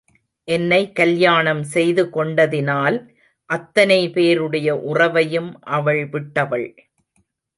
என்னை கல்யாணம் செய்து கொண்டதினால், அத்தனை பேருடைய உறவையும் அவள் விட்டவள்.